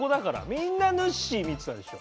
みんなぬっしー見てたでしょ。